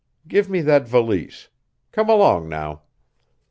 Give me that valise. Come along now."